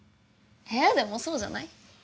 えでもそうじゃない？